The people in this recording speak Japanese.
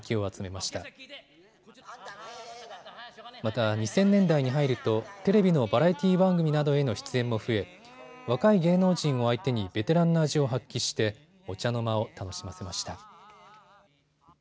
また２０００年代に入るとテレビのバラエティー番組などへの出演も増え若い芸能人を相手にベテランの味を発揮してお茶の間を楽しませました。